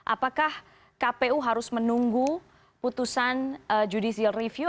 apakah kpu harus menunggu putusan judicial review